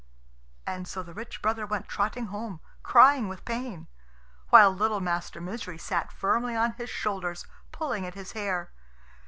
And so the rich brother went trotting home, crying with pain; while little Master Misery sat firmly on his shoulders, pulling at his hair.